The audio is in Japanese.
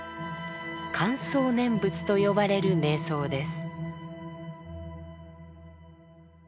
「観想念仏」と呼ばれる瞑想です。